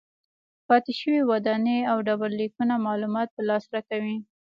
پاتې شوې ودانۍ او ډبرلیکونه معلومات په لاس راکوي.